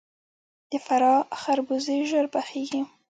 د فراه خربوزې ژر پخیږي.